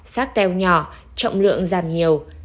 xác teo nhỏ trọng lượng giảm nhiều